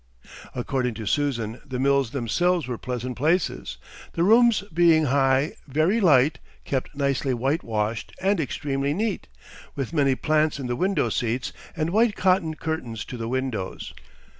According to Susan, the mills themselves were pleasant places, the rooms being "high, very light, kept nicely whitewashed, and extremely neat, with many plants in the window seats, and white cotton curtains to the windows."